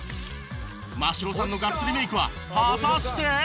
真城さんのガッツリメイクは果たして？